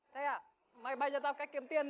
thế à mày bày cho tao cách kiếm tiền đi